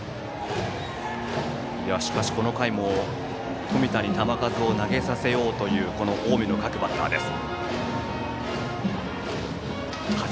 しかし、この回も冨田に球数を投げさせようという近江の各バッターです。